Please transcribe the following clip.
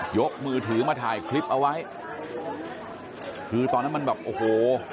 ยกมือถือมาถ่ายคลิปเอาไว้คือตอนนั้นมันแบบโอ้โห